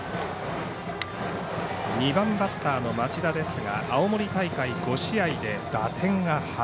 ２番バッターの町田ですが青森大会５試合で打点が８。